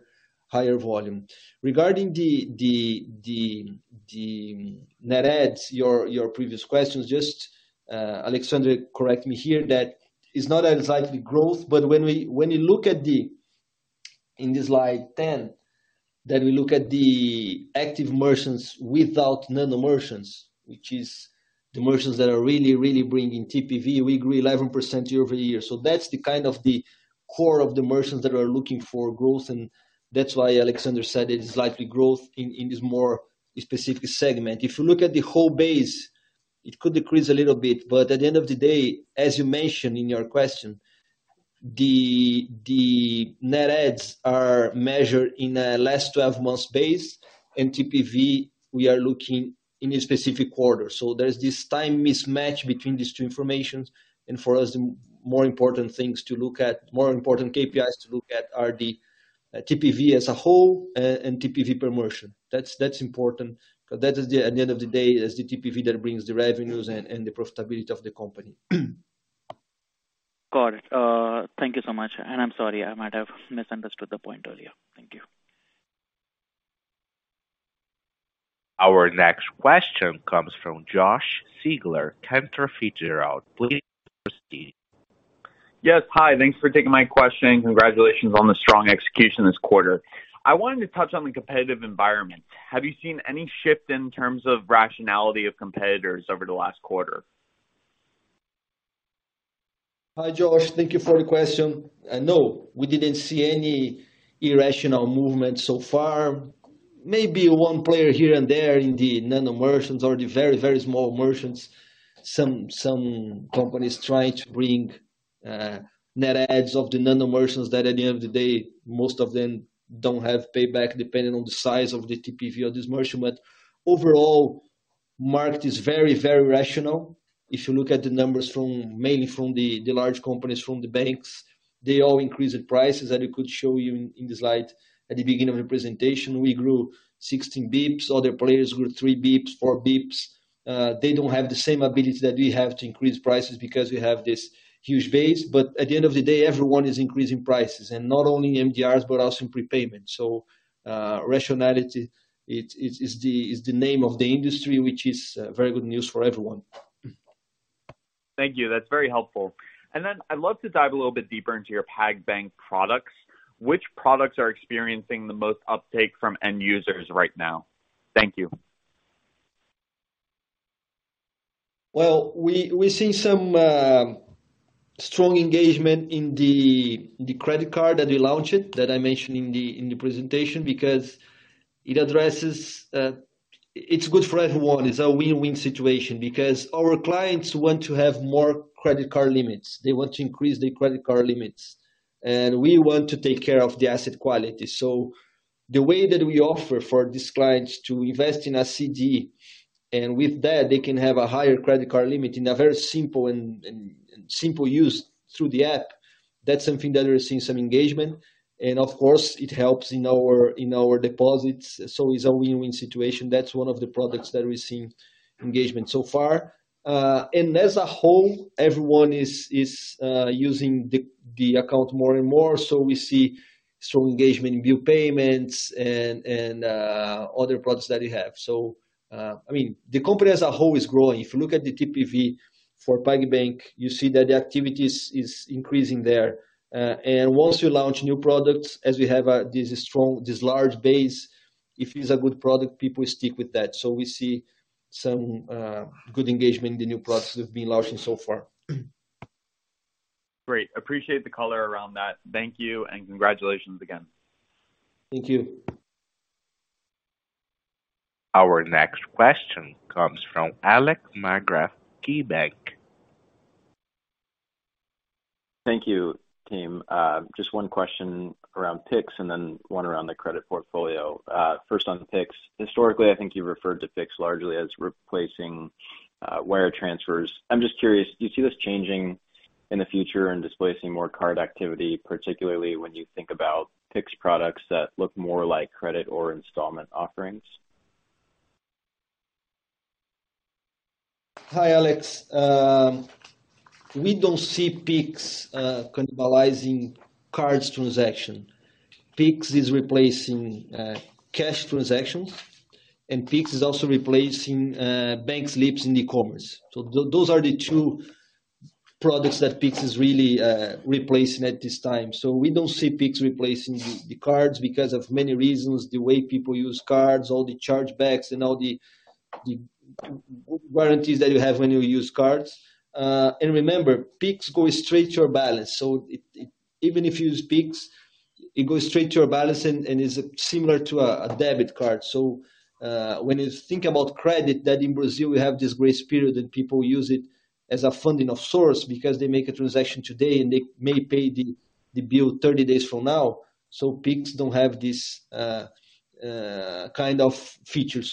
volume. Regarding the net adds, your previous questions, just, Alexandre, correct me here, that it's not a slight growth, but when you look at slide 10, that we look at the active merchants without net merchants, which is the merchants that are really bringing TPV, we grew 11% year-over-year. That's the kind of core of the merchants that are looking for growth. That's why Alexandre said it's slight growth in this more specific segment. If you look at the whole base, it could decrease a little bit, but at the end of the day, as you mentioned in your question, the net adds are measured in a last 12-months base, and TPV we are looking in a specific quarter. There's this time mismatch between these two information. For us, more important KPIs to look at are the TPV as a whole, and TPV per merchant. That's important, because that is, at the end of the day, the TPV that brings the revenues and the profitability of the company. Got it. Thank you so much. I'm sorry, I might have misunderstood the point earlier. Thank you. Our next question comes from Josh Siegler, Cantor Fitzgerald. Please proceed. Yes. Hi. Thanks for taking my question, and congratulations on the strong execution this quarter. I wanted to touch on the competitive environment. Have you seen any shift in terms of rationality of competitors over the last quarter? Hi, Josh. Thank you for the question. No, we didn't see any irrational movement so far. Maybe one player here and there in the new merchants or the very, very small merchants. Some companies trying to bring net adds of the new merchants that at the end of the day, most of them don't have payback depending on the size of the TPV of this merchant. Overall, market is very, very rational. If you look at the numbers mainly from the large companies from the banks, they all increase the prices that we could show you in the slide at the beginning of the presentation. We grew 16bps. Other players grew three bps, four bps. They don't have the same ability that we have to increase prices because we have this huge base. At the end of the day, everyone is increasing prices, and not only MDRs, but also in prepayment. Rationality is the name of the industry, which is very good news for everyone. Thank you. That's very helpful. I'd love to dive a little bit deeper into your PagBank products. Which products are experiencing the most uptake from end users right now? Thank you. Well, we see some strong engagement in the credit card that we launched, that I mentioned in the presentation because it addresses. It's good for everyone. It's a win-win situation because our clients want to have more credit card limits. They want to increase their credit card limits, and we want to take care of the asset quality. The way that we offer for these clients to invest in a CD, and with that, they can have a higher credit card limit in a very simple and simple use through the app. That's something that we're seeing some engagement. Of course it helps in our deposits. It's a win-win situation. That's one of the products that we're seeing engagement so far. As a whole, everyone is using the account more and more. We see strong engagement in bill payments and other products that we have. I mean, the company as a whole is growing. If you look at the TPV for PagBank, you see that the activities is increasing there. Once you launch new products, as we have, this large base, if it's a good product, people stick with that. We see some good engagement in the new products that we've been launching so far. Great. Appreciate the color around that. Thank you, and congratulations again. Thank you. Our next question comes from Alex Markgraff, KeyBanc. Thank you, team. Just one question around Pix and then one around the credit portfolio. First on Pix. Historically, I think you referred to Pix largely as replacing wire transfers. I'm just curious, do you see this changing in the future and displacing more card activity, particularly when you think about Pix products that look more like credit or installment offerings? Hi, Alex. We don't see Pix cannibalizing card transactions. Pix is replacing cash transactions, and Pix is also replacing bank slips in e-commerce. Those are the two products that Pix is really replacing at this time. We don't see Pix replacing the cards because of many reasons. The way people use cards, all the chargebacks and all the warranties that you have when you use cards. Remember, Pix goes straight to your balance. Even if you use Pix, it goes straight to your balance and is similar to a debit card. When you think about credit, that in Brazil we have this grace period and people use it as a source of funding because they make a transaction today and they may pay the bill thirty days from now. Pix don't have this kind of feature.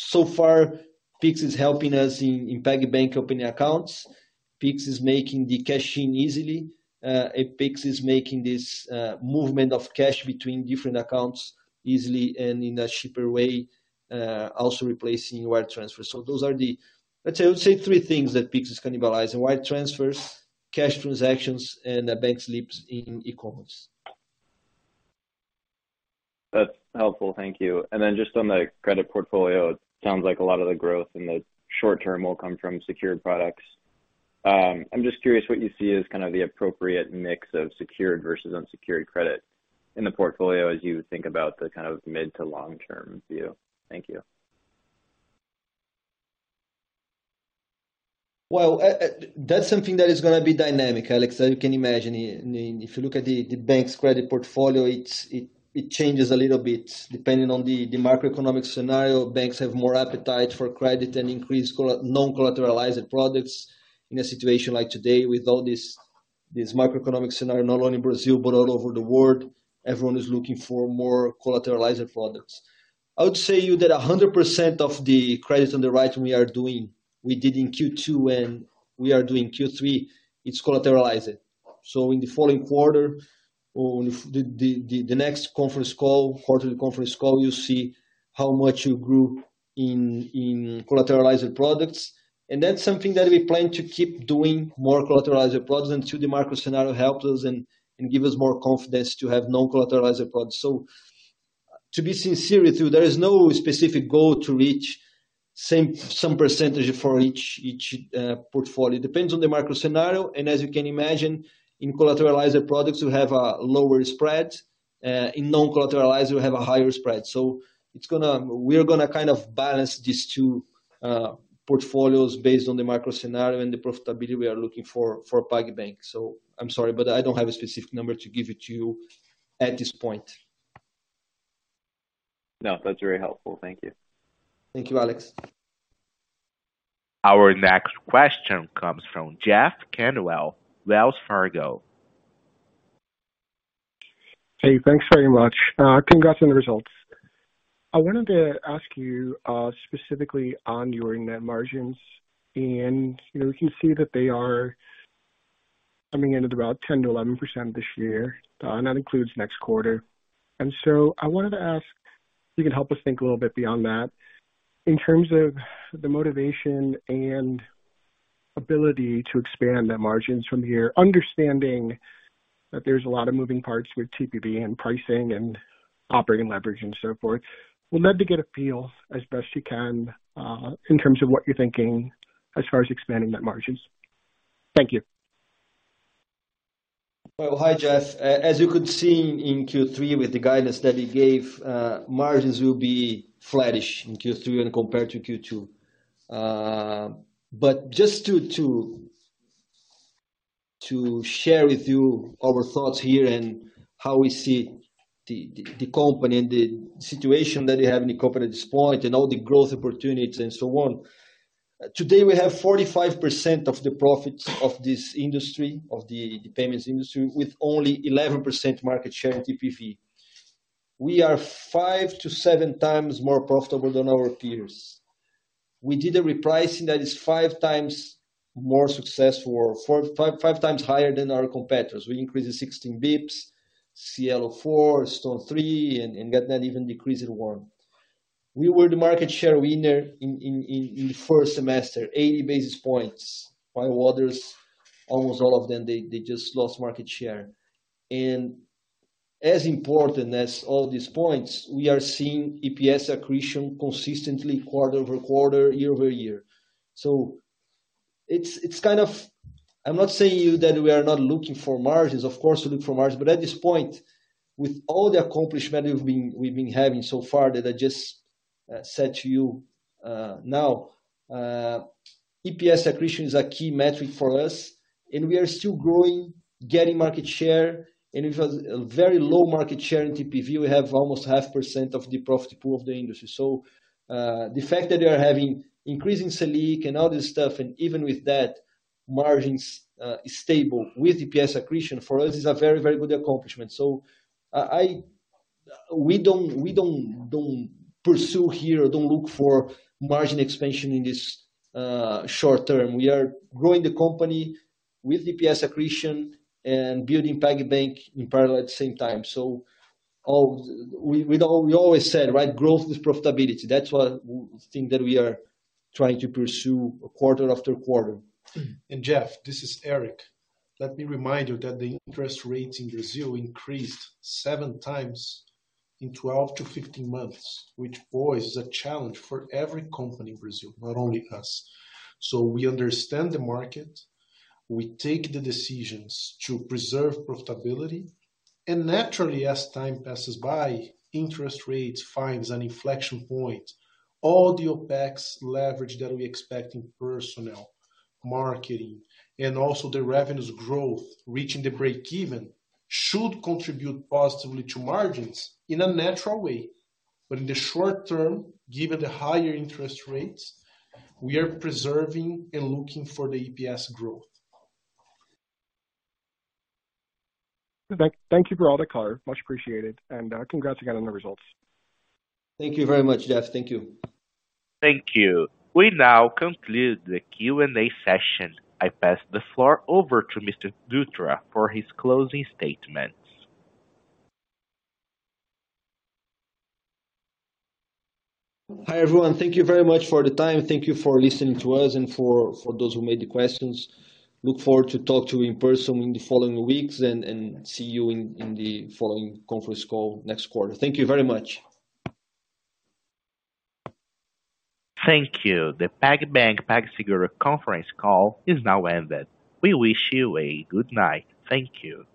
So far, Pix is helping us in PagBank opening accounts. Pix is making the cash in easily. Pix is making this movement of cash between different accounts easily and in a cheaper way, also replacing wire transfers. Those are the, let's say, I would say three things that Pix is cannibalizing. Wire transfers, cash transactions, and bank slips in e-commerce. That's helpful. Thank you. Just on the credit portfolio, it sounds like a lot of the growth in the short term will come from secured products. I'm just curious what you see as kind of the appropriate mix of secured versus unsecured credit in the portfolio as you think about the kind of mid to long-term view. Thank you. Well, that's something that is gonna be dynamic, Alex, as you can imagine. If you look at the bank's credit portfolio, it changes a little bit depending on the macroeconomic scenario. Banks have more appetite for credit and increased non-collateralized products. In a situation like today with all this macroeconomic scenario, not only in Brazil but all over the world, everyone is looking for more collateralized products. I would say you that 100% of the credits on the right we are doing, we did in Q2, and we are doing Q3, it's collateralized. In the following quarter or if the next quarterly conference call, you'll see how much you grew in collateralized products. That's something that we plan to keep doing more collateralized products until the market scenario helps us and give us more confidence to have non-collateralized products. To be sincere with you, there is no specific goal to reach some percentage for each portfolio. It depends on the market scenario, and as you can imagine, in collateralized products, you have a lower spread. In non-collateralized, you have a higher spread. We are gonna kind of balance these two portfolios based on the market scenario and the profitability we are looking for for PagBank. I'm sorry, but I don't have a specific number to give it to you at this point. No, that's very helpful. Thank you. Thank you, Alex. Our next question comes from Jeff Cantwell, Wells Fargo. Hey, thanks very much. Congrats on the results. I wanted to ask you, specifically on your net margins. You know, we can see that they are coming in at about 10%-11% this year, and that includes next quarter. I wanted to ask if you can help us think a little bit beyond that. In terms of the motivation and ability to expand the margins from here, understanding that there's a lot of moving parts with TPV and pricing and operating leverage and so forth. We'd love to get a feel as best you can, in terms of what you're thinking as far as expanding net margins. Thank you. Well, hi, Jeff. As you could see in Q3 with the guidance that we gave, margins will be flattish in Q3 when compared to Q2. Just to share with you our thoughts here and how we see the company and the situation that we have in the company at this point and all the growth opportunities and so on. Today we have 45% of the profits of this industry, of the payments industry, with only 11% market share in TPV. We are five to seven times more profitable than our peers. We did a repricing that is five times more successful or five times higher than our competitors. We increased it 16 bps, Cielo four, Stone three, and GetNet even decreased to one. We were the market share winner in the first semester, 80 basis points, while others, almost all of them, they just lost market share. As important as all these points, we are seeing EPS accretion consistently quarter-over-quarter, year-over-year. It's kind of. I'm not saying you that we are not looking for margins. Of course, we look for margins. But at this point, with all the accomplishment we've been having so far that I just said to you now, EPS accretion is a key metric for us, and we are still growing, gaining market share. With a very low market share in TPV, we have almost 0.5% of the profit pool of the industry. The fact that we are having increasing SELIC and all this stuff, and even with that, margins is stable with EPS accretion, for us is a very, very good accomplishment. We don't pursue here or don't look for margin expansion in this short term. We are growing the company with EPS accretion and building PagBank in parallel at the same time. We always said, right, growth is profitability. That's what we think that we are trying to pursue quarter after quarter. Jeff, this is Eric. Let me remind you that the interest rates in Brazil increased seven times in 12-15 months, which poses a challenge for every company in Brazil, not only us. We understand the market. We take the decisions to preserve profitability. Naturally, as time passes by, interest rates finds an inflection point. All the OpEx leverage that we expect in personnel, marketing, and also the revenues growth reaching the breakeven should contribute positively to margins in a natural way. In the short term, given the higher interest rates, we are preserving and looking for the EPS growth. Thank you for all the color. Much appreciated. Congrats again on the results. Thank you very much, Jeff. Thank you. Thank you. We now conclude the Q&A session. I pass the floor over to Mr. Dutra for his closing statements. Hi, everyone. Thank you very much for the time. Thank you for listening to us and for those who made the questions. Look forward to talk to you in person in the following weeks and see you in the following conference call next quarter. Thank you very much. Thank you. The PagBank PagSeguro conference call is now ended. We wish you a good night. Thank you.